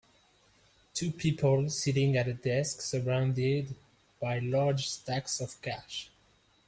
Two people sitting at a desk surrounded by large stacks of cash.